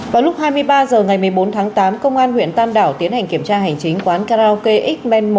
vào lúc hai mươi ba h ngày một mươi bốn tháng tám công an huyện tam đảo tiến hành kiểm tra hành chính quán karaoke xn một